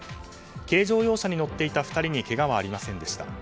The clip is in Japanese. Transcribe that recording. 軽乗用車に乗っていた２人にけがはありませんでした。